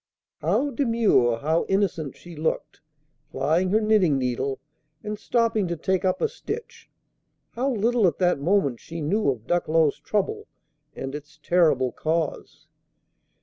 How demure, how innocent she looked, plying her knitting needle, and stopping to take up a stitch! How little at that moment she knew of Ducklow's trouble and its terrible cause!